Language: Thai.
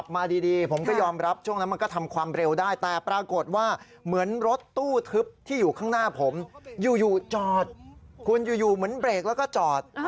มันอยู่เหมือนเบรกแล้วก็จอด